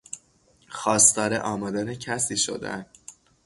خواستار آمدن کسی شدن